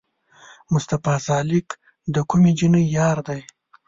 مصطفی سالک د کومې جینۍ یار دی؟